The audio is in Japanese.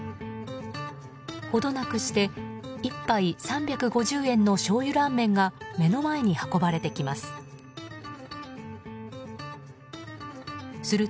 ほどなくして１杯３５０円のしょうゆラーメンが目の前に運ばれてきます。